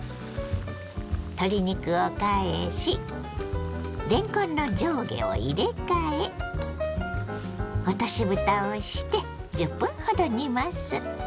鶏肉を返しれんこんの上下を入れ替え落としぶたをして１０分ほど煮ます。